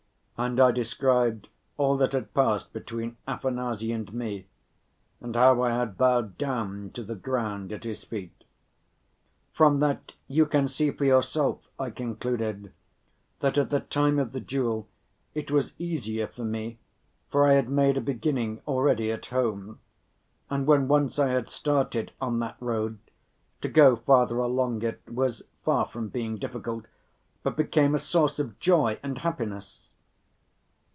And I described all that had passed between Afanasy and me, and how I had bowed down to the ground at his feet. "From that you can see for yourself," I concluded, "that at the time of the duel it was easier for me, for I had made a beginning already at home, and when once I had started on that road, to go farther along it was far from being difficult, but became a source of joy and happiness."